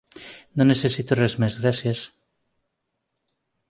No necessito res més, gràcies.